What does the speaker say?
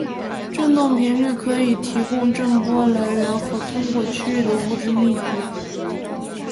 振动频率可以提供震波来源和通过区域的物质密度。